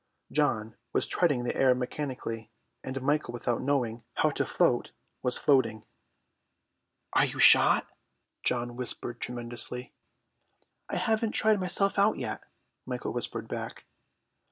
John was treading the air mechanically, and Michael without knowing how to float was floating. "Are you shot?" John whispered tremulously. "I haven't tried yet," Michael whispered back.